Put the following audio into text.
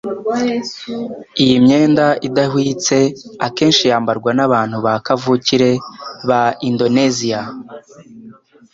Iyi myenda idahwitse akenshi yambarwa nabantu ba kavukire ba Indoneziya